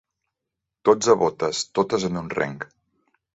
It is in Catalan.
Dotze botes, totes en un reng.